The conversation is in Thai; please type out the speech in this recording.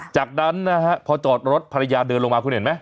จากนั้นนะฮะพอจอดรถภรรยาเดินลงมาคุณเห็นไหม